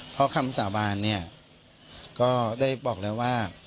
เพราะคำสาบานเนี่ยก็ได้บอกแล้วว่า